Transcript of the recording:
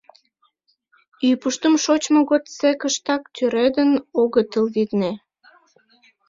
Ӱпыштым шочмо годсекыштак тӱредын огытыл, витне.